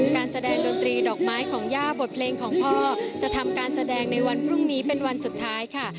การแสดงดนตรีดอกไม้ของย่าบทเพลงของพ่อจะทำการแสดงในวันพรุ่งนี้เป็นวันสุดท้ายค่ะ